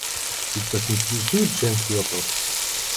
Ведь вас интересует женский вопрос?